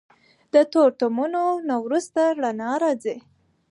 د تورتمونو نه وروسته رڼا راځي.